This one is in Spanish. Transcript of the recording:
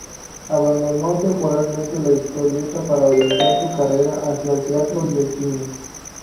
Abandonó temporalmente la historieta para orientar su carrera hacia el teatro y el cine.